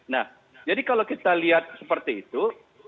nah jadi kalau kita lihat seperti itu